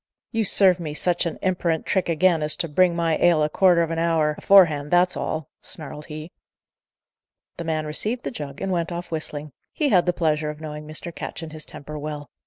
"You serve me such a imperant trick again, as to bring my ale a quarter of a hour aforehand, that's all!" snarled he. The man received the jug, and went off whistling; he had the pleasure of knowing Mr. Ketch and his temper well.